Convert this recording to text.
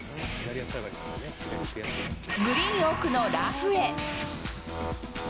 グリーン奥のラフへ。